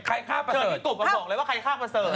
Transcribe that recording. ใครฆ่าประเสริฐที่ทุบกักบอกเลยว่าใครฆ่าประเสริฐ